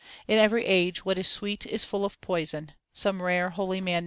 In every age what is sweet is full of poison ; some rare holy man knoweth this.